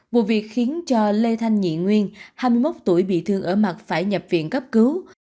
vụ việc khiến cho lê thanh nhị nguyên hai mươi một tuổi bị thương ở mặt phải nhập viện cấp cứu